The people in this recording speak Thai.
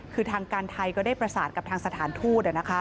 คือทางการไทยก็ได้ประสานกับทางสถานทูต